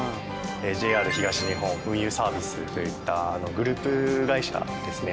ＪＲ東日本運輸サービスといったグループ会社ですね。